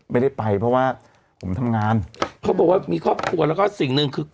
ไม่ได้ไปเพราะว่าผมทำงานเขาบอกว่ามีครอบครัวแล้วก็สิ่งหนึ่งคือ